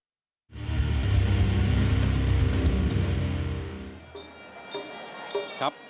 มวยคู่ที่๒ครับ